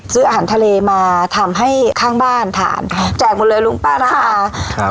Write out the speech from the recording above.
ซื้ออาหารทะเลมาทำให้ข้างบ้านทานแจกหมดเลยลุงป้านะคะครับ